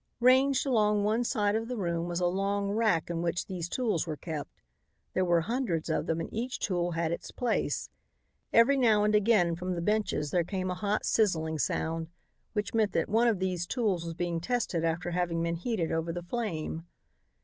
Ranged along one side of the room was a long rack in which these tools were kept. There were hundreds of them, and each tool had its place. Every now and again from the benches there came a hot sizzling sound, which meant that one of these tools was being tested after having been heated over the flame.